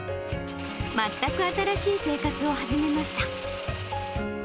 全く新しい生活を始めました。